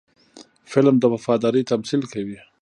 فلم د وفادارۍ تمثیل کوي